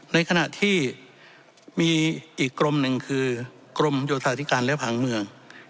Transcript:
ในขณะที่มีอีกกรมหนึ่งคือกรมโยธาธิการและผังเมือง